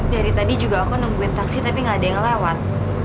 dari tadi juga aku nungguin taksi tapi gak ada yang lewat